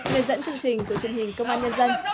hướng dẫn chương trình của truyền hình công an nhân dân